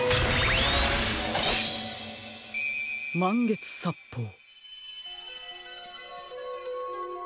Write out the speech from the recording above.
まんげつさっぽう。